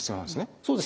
そうですね。